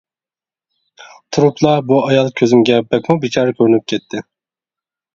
تۇرۇپلا بۇ ئايال كۆزۈمگە بەكمۇ بىچارە كۆرۈنۈپ كەتتى.